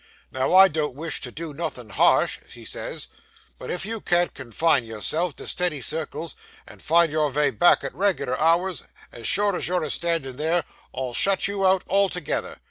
Now, I don't wish to do nothing harsh," he says, "but if you can't confine yourself to steady circles, and find your vay back at reg'lar hours, as sure as you're a standin' there, I'll shut you out altogether!"